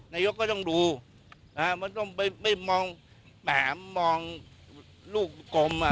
นายกก็ต้องดูมันต้องไม่มองแหมมองลูกกลมอ่ะ